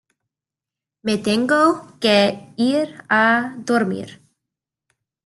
me tengo que ir a dormir.